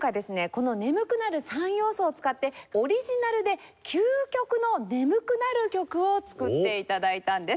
この眠くなる３要素を使ってオリジナルで「究極の眠くなる曲」を作って頂いたんです。